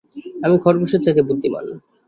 আমি খরগোশের চাইতে বুদ্ধিমান।